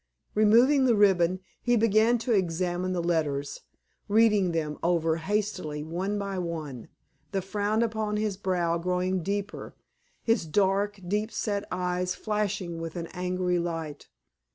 Removing the ribbon, he began to examine the letters, reading them over hastily, one by one, the frown upon his brow growing deeper, his dark, deep set eyes flashing with an angry light.